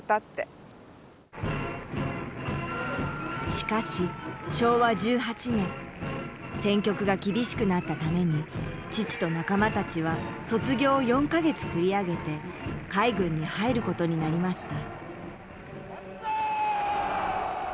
しかし昭和１８年戦局が厳しくなったために父と仲間たちは卒業を４か月繰り上げて海軍に入ることになりました